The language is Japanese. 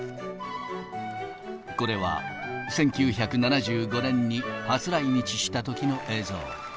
これは１９７５年に初来日したときの映像。